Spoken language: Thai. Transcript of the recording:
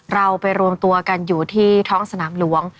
เราไปรวมตัวกันอยู่ที่ท้องสนามหลวง